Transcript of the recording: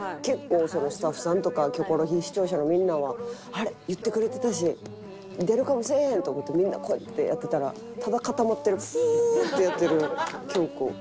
結構スタッフさんとか『キョコロヒー』視聴者のみんなはあれ言ってくれてたし出るかもしれへんと思ってみんなこうやってやってたらただ固まってる「フー」ってやってる京子。